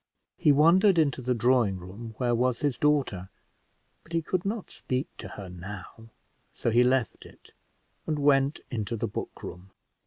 He wandered into the drawing room where was his daughter; but he could not speak to her now, so he left it, and went into the book room.